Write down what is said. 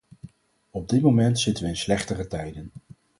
Op dit moment zitten we in slechtere tijden.